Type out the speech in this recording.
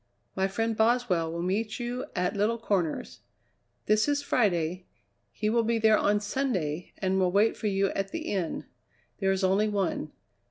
My friend Boswell will meet you at Little Corners. This is Friday; he will be there on Sunday and will wait for you at the inn; there is only one.